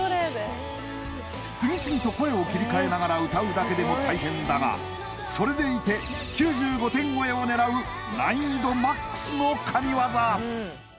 次々と声を切り替えながら歌うだけでも大変だがそれでいて９５点超えを狙う難易度ＭＡＸの神業！